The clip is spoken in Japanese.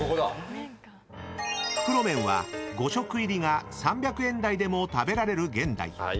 ［袋麺は５食入りが３００円台でも食べられる現代］